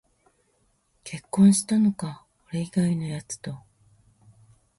結婚したのか、俺以外のやつと